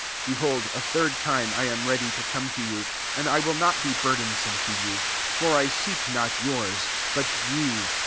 14 Behold, a third time, I am ready to come to you ; and I will not be burdensome to you: for I seek not yours, but jou.